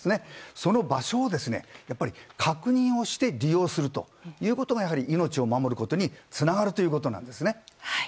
その場所を確認をして利用するということがやはり命を守ることにつながるということなんですね。